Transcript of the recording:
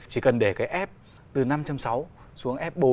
chỉ cần để cái f từ năm sáu xuống f bốn